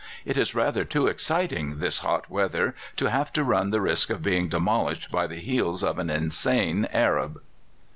It is rather too exciting this hot weather to have to run the risk of being demolished by the heels of an insane Arab.